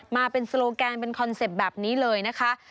มาเป็นโซโลแกนเป็นคอนเซ็ปต์แบบนี้เลยนะคะ